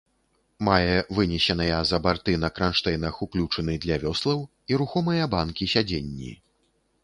Мае вынесеныя за барты на кранштэйнах уключыны для вёслаў і рухомыя банкі-сядзенні.